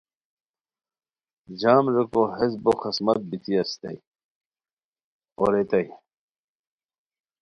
جام ریکو ہیس بو خسمت بیتی اسیتائے، اوریتائے